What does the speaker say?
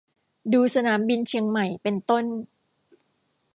ดูสนามบินเชียงใหม่เป็นต้น